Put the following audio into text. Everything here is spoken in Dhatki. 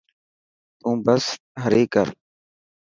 تون بس هري ڪر.